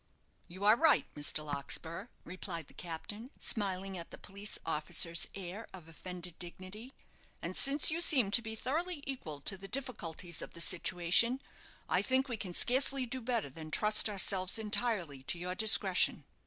"You are right, Mr. Larkspur," replied the captain, smiling at the police officer's air of offended dignity; "and since you seem to be thoroughly equal to the difficulties of the situation, I think we can scarcely do better than trust ourselves entirely to your discretion."